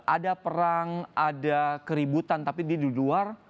ada perang ada keributan tapi di luar